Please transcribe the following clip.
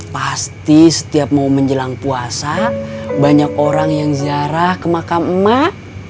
pasti setiap mau menjelang puasa banyak orang yang ziarah ke makam emak